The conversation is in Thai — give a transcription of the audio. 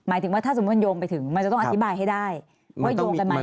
ถึงว่าถ้าสมมุติโยงไปถึงมันจะต้องอธิบายให้ได้ว่าโยงกันไหม